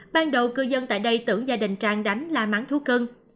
ban đầu cư dân tại đây tưởng gia đình trang đánh là mắng thú cưng